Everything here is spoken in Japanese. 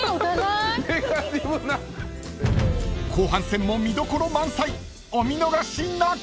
［後半戦も見どころ満載お見逃しなく！］